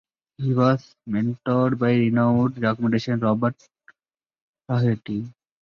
He was mentored by renowned documentarian Robert Flaherty.